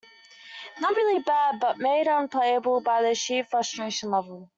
Not really bad, but made unplayable by the sheer frustration level.